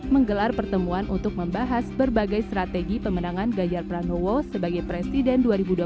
menggelar pertemuan untuk membahas berbagai strategi pemenangan ganjar pranowo sebagai presiden dua ribu dua puluh